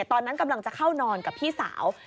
ตอนนั้นกำลังจะเข้านอนกับพี่สาว